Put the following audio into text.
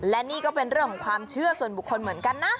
และนี่ก็เป็นเรื่องของความเชื่อส่วนบุคคลเหมือนกันนะ